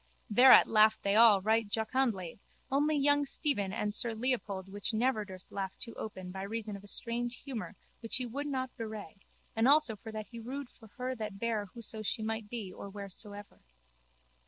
Thereat laughed they all right jocundly only young Stephen and sir Leopold which never durst laugh too open by reason of a strange humour which he would not bewray and also for that he rued for her that bare whoso she might be or wheresoever.